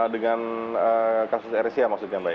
dengan kasus asia maksudnya mbak ya